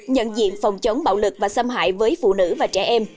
nhận diện phòng chống bạo lực và xâm hại với phụ nữ và trẻ em